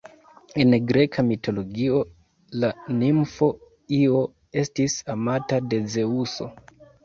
En greka mitologio, la nimfo Io estis amata de Zeŭso.